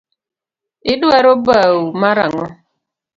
Idwaro bau mar ang’o?